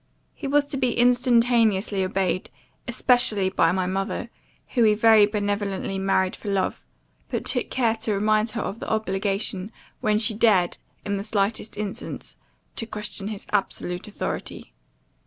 He was to be instantaneously obeyed, especially by my mother, whom he very benevolently married for love; but took care to remind her of the obligation, when she dared, in the slightest instance, to question his absolute authority.